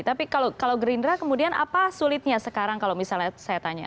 tapi kalau gerindra kemudian apa sulitnya sekarang kalau misalnya saya tanya